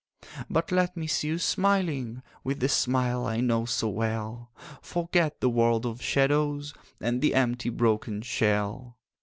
'But let me see you smiling With the smile I know so well; Forget the world of shadows, And the empty broken shell.